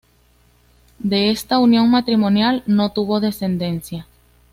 De esta unión matrimonial no tuvo descendencia.